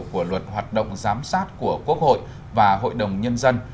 của luật hoạt động giám sát của quốc hội và hội đồng nhân dân